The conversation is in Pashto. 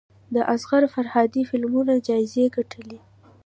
د اصغر فرهادي فلمونه جایزې ګټلي.